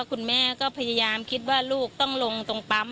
คุณแม่ก็พยายามคิดว่าลูกต้องลงตรงปั๊ม